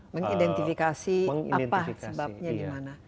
mengidentifikasi apa sebabnya dimana